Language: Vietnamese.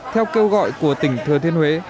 theo kêu gọi của tỉnh thừa thiên huế